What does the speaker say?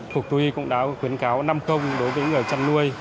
phục thu y cũng đã khuyến cáo năm công đối với người chăn nuôi